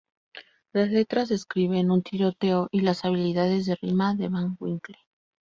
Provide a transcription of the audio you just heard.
Las letras describen un tiroteo y las habilidades de rima de Van Winkle.